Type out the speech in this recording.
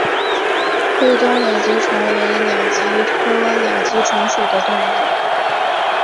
会东两极虫为两极科两极虫属的动物。